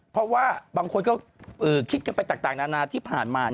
เพราะว่าบางคนก็คิดกันไปต่างนานาที่ผ่านมา